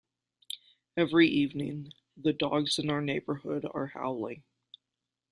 Every evening, the dogs in our neighbourhood are howling.